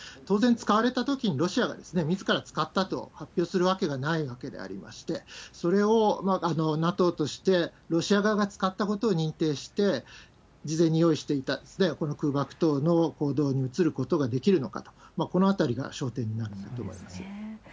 当然使われたときに、ロシアがみずから使ったと発表するわけがないわけでありまして、それをＮＡＴＯとしてロシア側が使ったことを認定して、事前に用意していたこの空爆等の行動に移ることができるのかと、このあたりが焦点になると思います。